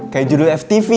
kayak judul ftv